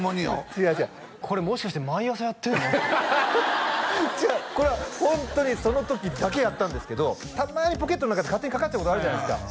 違う違うこれもしかして毎朝やってんの？って違うこれはホントにその時だけやったんですけどたまにポケットの中で勝手にかかっちゃうことあるじゃないですか？